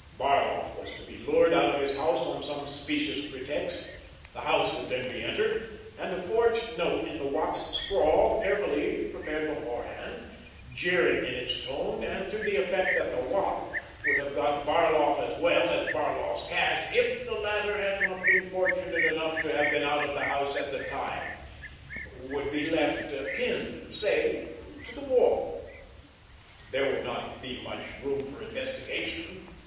Barloff was to be lured out of his house on some specious pretext, the house would then be entered, and a forged note in the Wop's scrawl, carefully prepared beforehand, jeering in its tone and to the effect that the Wop would have got Barloff as well as Barloff's cash if the latter had not been fortunate enough to have been out of the house at the time, would be left pinned, say, to the wall. There would not be much room for investigation!